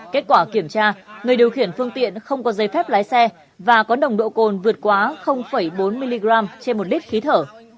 kết quả kiểm tra người điều khiển phương tiện không có giấy phép lái xe và có nồng độ cồn vượt quá bốn mg trên một lít khí thở